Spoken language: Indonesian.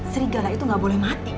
serigala itu gak boleh mati